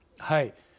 はい。